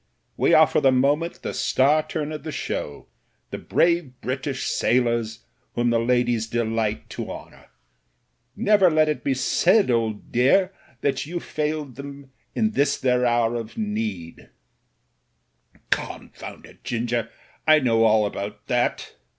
We are for the moment the star turn of the show — the brave British sailors whom the ladies delight to hon 155 156 MEN, WOMEN AND GUNS our. Never let it be said, old dear, that you failed them in this their hour of need/' "Confound it. Ginger, I know all about that!"